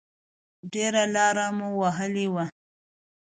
ډېره لاره مو وهلې وه.